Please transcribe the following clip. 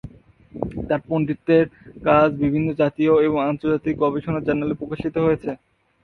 তাঁর পণ্ডিতের কাজ বিভিন্ন জাতীয় এবং আন্তর্জাতিক গবেষণা জার্নালে প্রকাশিত হয়েছে।